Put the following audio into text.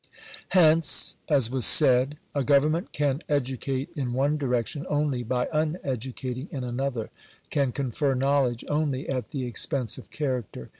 Hence, as was said, a government can educate in one direc tion only by ttfteducating in another — can confer knowledge only at the expense of character.